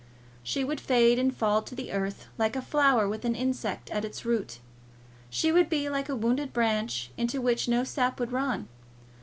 She would fade and fall to the earth like a flower with an insect at its root. She would be like a wounded branch, into which no sap would run.